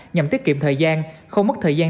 nhằm tiết kiệm thời gian không mất thời gian